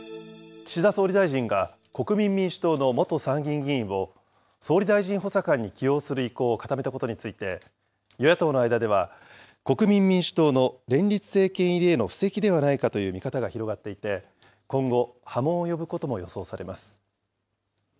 岸田総理大臣が国民民主党の元参議院議員を総理大臣補佐官に起用する意向を固めたことについて、与野党の間では、国民民主党の連立政権入りへの布石ではないかという見方が広がっていて、今後、波紋を呼ぶことも予想されます。